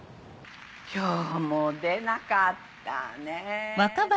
今日も出なかったね。